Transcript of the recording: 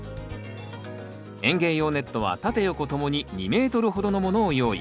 園芸用ネットは縦横ともに２ｍほどのものを用意。